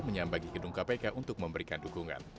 menyambangi gedung kpk untuk memberikan dukungan